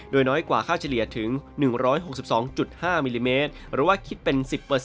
โดยน้อยกว่าค่าเฉลี่ยถึง๑๖๒๕มิลลิเมตรหรือว่าคิดเป็น๑๐